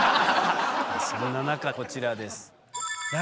そんな中こちらです。